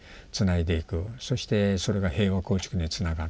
そしてそれが平和構築につながると。